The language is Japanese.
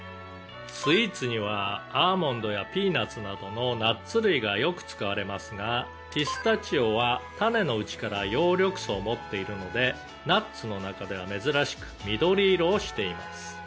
「スイーツにはアーモンドやピーナツなどのナッツ類がよく使われますがピスタチオは種のうちから葉緑素を持っているのでナッツの中では珍しく緑色をしています」